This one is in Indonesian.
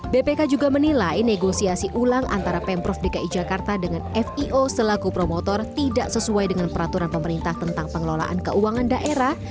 bpk juga menilai negosiasi ulang antara pemprov dki jakarta dengan fio selaku promotor tidak sesuai dengan peraturan pemerintah tentang pengelolaan keuangan daerah